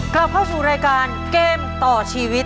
กลับเข้าสู่รายการเกมต่อชีวิต